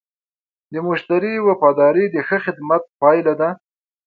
د مشتری وفاداري د ښه خدمت پایله ده.